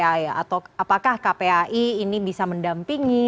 atau apakah kpai ini bisa mendampingi